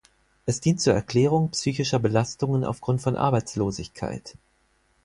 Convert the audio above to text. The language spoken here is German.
Es dient zur Erklärung psychischer Belastungen aufgrund von Arbeitslosigkeit.